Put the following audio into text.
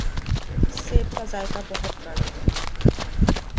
اس سیب کا ذائقہ بہت کڑوا ہے۔